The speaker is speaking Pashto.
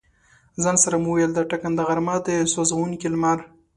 ځان سره مې ویل: دا ټکنده غرمه، دا سوزونکی لمر.